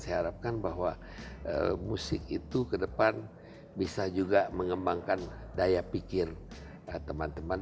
saya harapkan bahwa musik itu ke depan bisa juga mengembangkan daya pikir teman teman